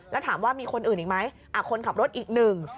แล้วถามว่ามีคนอื่นอีกไหมคนขับรถอีกหนึ่ง